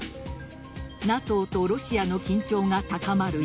ＮＡＴＯとロシアの緊張が高まる